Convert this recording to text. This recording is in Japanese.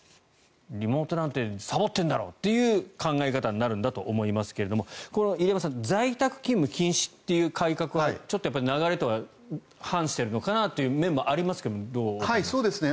リモートなんてさぼってるんだろという考え方になるんだと思いますが入山さん在宅勤務禁止という改革はちょっと流れとは反しているのかなという面がありますがどうですか？